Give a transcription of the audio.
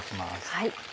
はい。